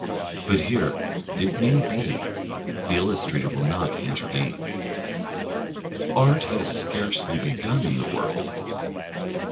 But here, it may be, the illustrator will not intervene. Art has scarcely begun in the world.